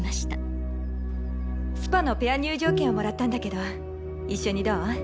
スパのペア入場券をもらったんだけど一緒にどう？